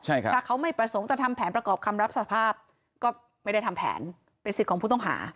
ถ้าเขาไม่ประสงค์จะทำแผนประกอบคำรับสภาพก็ไม่ได้ทำแผนเป็นสิทธิ์ของผู้ต้องหา